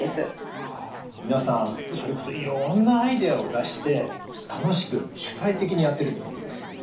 皆さんそれこそいろんなアイデアを出して楽しく主体的にやってるってことですね。